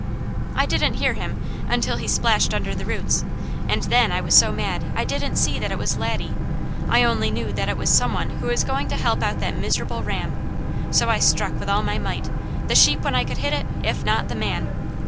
I didn't hear him until he splashed under the roots and then I was so mad I didn't see that it was Laddie; I only knew that it was someone who was going to help out that miserable ram, so I struck with all my might, the sheep when I could hit it, if not, the man.